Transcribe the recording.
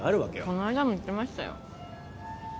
この間も言ってましたよ